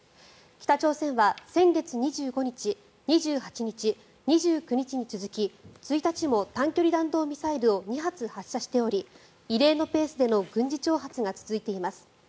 北朝鮮は先月２５日、２８日２９日に続き１日も短距離弾道ミサイルを２発発射しており異例のペースでの軍事挑発が続いています。